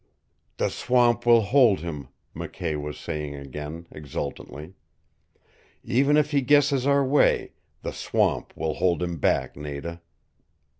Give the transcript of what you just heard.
"The swamp will hold him!" McKay was saying again, exultantly. "Even if he guesses our way, the swamp will hold him back, Nada."